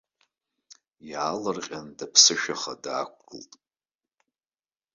Иаалырҟьан даԥсышәаха даақәгылт.